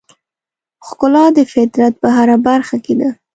ښکلا د فطرت په هره برخه کې ده.